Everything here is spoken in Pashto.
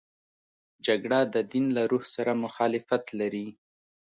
جګړه د دین له روح سره مخالفت لري